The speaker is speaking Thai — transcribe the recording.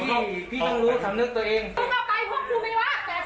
มึงไม่ต้องมาพูดมึงไม่ต้องหันนะเบส